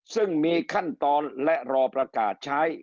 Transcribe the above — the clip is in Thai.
ซึ่งมีขั้นตอนและรอประกาศใช้